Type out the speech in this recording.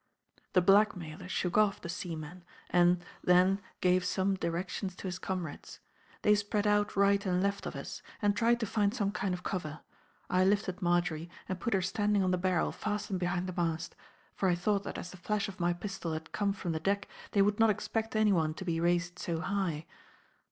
The blackmailer shook off the seaman and, then gave some directions to his comrades; they spread out right and left of us, and tried to find some kind of cover. I lifted Marjory and put her standing on the barrel fastened behind the mast, for I thought that as the flash of my pistol had come from the deck they would not expect any one to be raised so high.